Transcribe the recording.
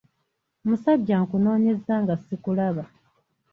Musajja nkunoonyezza nga sikulaba.